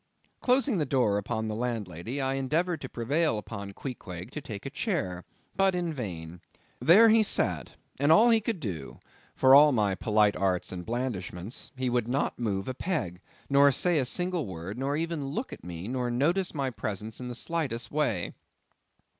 Closing the door upon the landlady, I endeavored to prevail upon Queequeg to take a chair; but in vain. There he sat; and all he could do—for all my polite arts and blandishments—he would not move a peg, nor say a single word, nor even look at me, nor notice my presence in the slightest way.